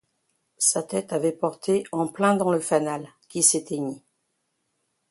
Sa tête avait porté en plein dans le fanal, qui s'éteignit.